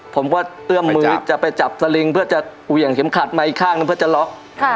ผมก็เอื้อมมือจะไปจับสลิงเพื่อจะเหวี่ยงเข็มขัดมาอีกข้างหนึ่งเพื่อจะล็อก